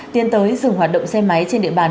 tiến tới dừng hoạt động xe máy trên địa bàn